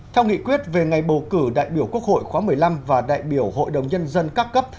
theo nghị quyết về ngày bầu cử đại biểu quốc hội khóa một mươi năm và đại biểu hội đồng nhân dân các cấp